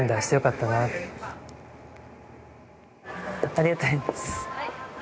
ありがとうございます。